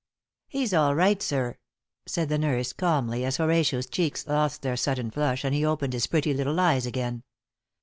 "He's all right, sir," said the nurse, calmly as Horatio's cheeks lost their sudden flush and he opened his pretty little eyes again.